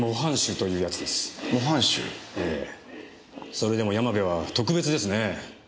それでも山部は特別ですね。